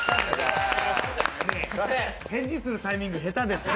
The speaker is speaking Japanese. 返事するタイミング、下手ですね。